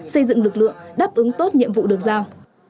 xây dựng lực lượng đáp ứng tốt nhiệm vụ được giao